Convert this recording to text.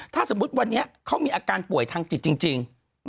ถ้าสมมุติวันนี้เขามีอาการป่วยทางจิตจริง